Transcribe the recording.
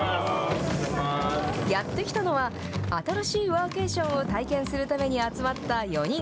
やって来たのは、新しいワーケーションを体験するために集まった４人。